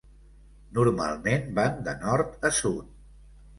Normalment van de nord a sud.